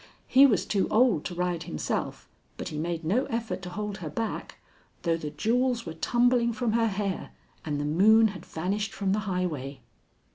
He was too old to ride himself, but he made no effort to hold her back, though the jewels were tumbling from her hair and the moon had vanished from the highway.